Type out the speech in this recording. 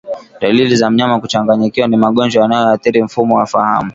Dalili za mnyama kuchanganyikiwa ni magonjwa yanayoathiri mfumo wa fahamu